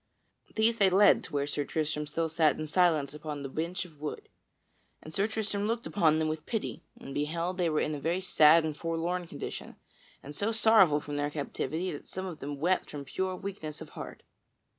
These they led to where Sir Tristram still sat in justice upon the bench of wood. And Sir Tristram looked upon them with pity and beheld that they were in a very sad and forlorn condition and so sorrowful from their captivity that some of them wept from pure weakness of heart.